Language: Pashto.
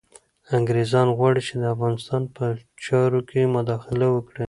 انګریزان غواړي چي د افغانستان په چارو کي مداخله وکړي.